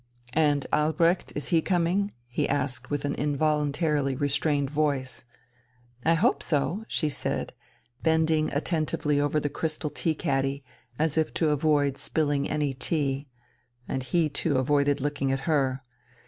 "And Albrecht ... is he coming?" he asked with an involuntarily restrained voice. "I hope so," she said, bending attentively over the crystal tea caddy, as if to avoid spilling any tea (and he too avoided looking at her).